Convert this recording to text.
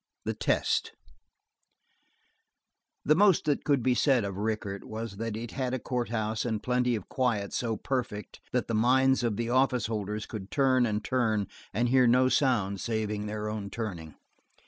The Test The most that could be said of Rickett was that it had a courthouse and plenty of quiet so perfect that the minds of the office holders could turn and turn and hear no sound saving their own turning.